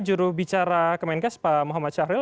jurubicara kemenkes pak muhammad syahril